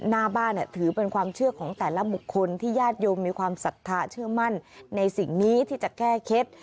หน้าบ้านถือเป็นความเชื่อของแต่ละบุคคลที่ญาติโยมมีความศรัทธาเชื่อมั่นในสิ่งนี้ที่จะแก้เคล็ด